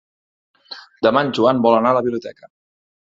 Demà en Joan vol anar a la biblioteca.